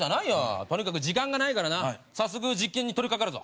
とにかく時間がないからな早速実験に取り掛かるぞ。